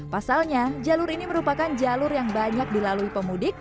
pasalnya jalur ini merupakan jalur yang banyak dilalui pemudik